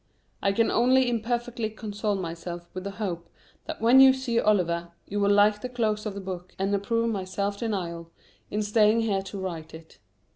I can only imperfectly console myself with the hope that when you see "Oliver" you will like the close of the book, and approve my self denial in staying here to write it.